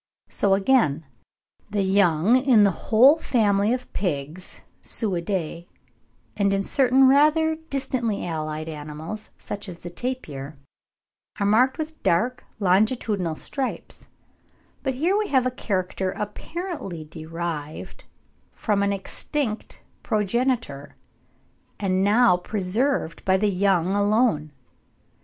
So again the young in the whole family of pigs (Suidae), and in certain rather distantly allied animals, such as the tapir, are marked with dark longitudinal stripes; but here we have a character apparently derived from an extinct progenitor, and now preserved by the young alone.